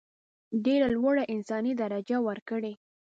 ډېره لوړه انساني درجه ورکړي.